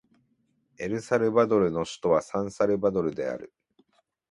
エルサルバドルの首都はサンサルバドルである